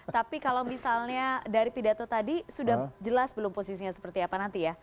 tapi kalau misalnya dari pidato tadi sudah jelas belum posisinya seperti apa nanti ya